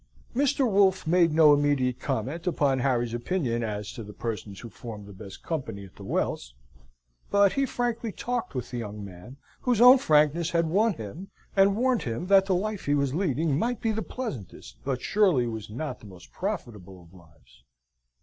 Mr. Wolfe made no immediate comment upon Harry's opinion as to the persons who formed the best company at the Wells, but he frankly talked with the young man, whose own frankness had won him, and warned him that the life he was leading might be the pleasantest, but surely was not the most profitable of lives.